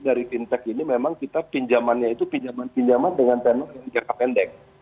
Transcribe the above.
dari fintech ini memang kita pinjamannya itu pinjaman pinjaman dengan tenor yang jangka pendek